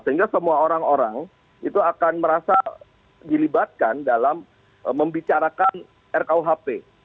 sehingga semua orang orang itu akan merasa dilibatkan dalam membicarakan rkuhp